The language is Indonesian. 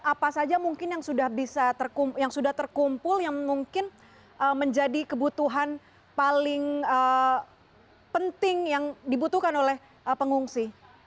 apa saja mungkin yang sudah terkumpul yang mungkin menjadi kebutuhan paling penting yang dibutuhkan oleh pengungsi